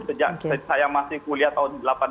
sejak saya masih kuliah tahun delapan puluh